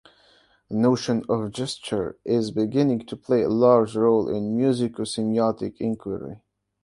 The notion of gesture is beginning to play a large role in musico-semiotic enquiry.